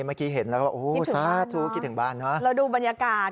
เมื่อกี้เห็นแล้วก็โอ้โหสาธุคิดถึงบ้านเนอะเราดูบรรยากาศ